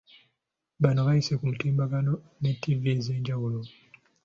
Bano bayise ku mutimbagano ne ttivi ez’enjawulo.